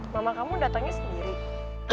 mama kamu datangnya sendiri